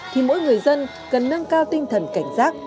thì mỗi người dân cần nâng cao tinh thần cảnh giác